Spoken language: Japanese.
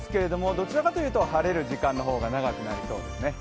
どちらかというと晴れる時間の方が長くなりそうですね。